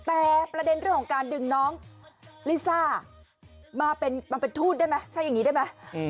แต่ประเด็นเรื่องของการดึงน้องลิซ่ามาเป็นทูตได้ไหมใช้อย่างนี้ได้ไหม